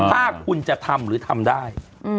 ถ้าคุณจะทำหรือทำได้